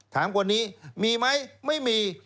ถามคนนี้มีไหมไม่มี